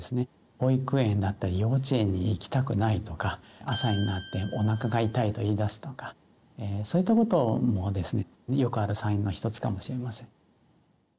保育園だったり幼稚園に行きたくないとか朝になっておなかが痛いと言いだすとかそういったこともですねよくあるサインの一つかもしれません。